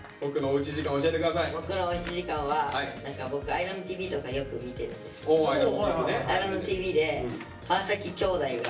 僕のおうち時間は何か僕ＩＳＬＡＮＤＴＶとかよく見てるんですけど。